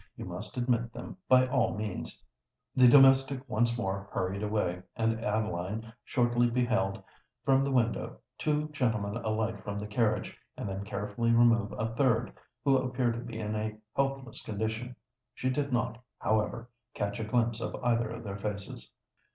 You must admit them by all means." The domestic once more hurried away; and Adeline shortly beheld, from the window, two gentlemen alight from the carriage, and then carefully remove a third, who appeared to be in a helpless condition. She did not, however, catch a glimpse of either of their faces.